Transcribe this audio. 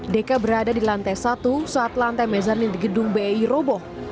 deka berada di lantai satu saat lantai mezanin di gedung bei roboh